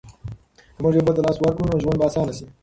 که موږ یو بل ته لاس ورکړو نو ژوند به اسانه شي.